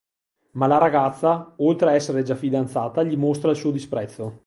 Ma la ragazza, oltre a essere già fidanzata, gli mostra il suo disprezzo.